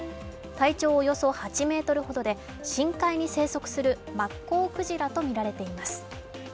体長およそ８ｍほどで深海に生息するマッコウクジラとみられています。